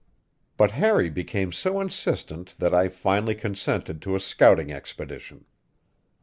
But Harry became so insistent that I finally consented to a scouting expedition.